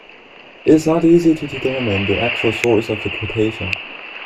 It is not easy to determine the actual source of the quotation.